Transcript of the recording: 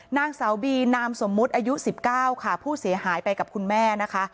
นางสาวบีนามสมมุติอายุ๑๙ค่ะผู้เสียหายไปกับคุณแม่นะคะ